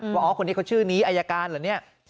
ว่าอ๋อคนนี้เขาชื่อนี้อายการเหรอเนี่ย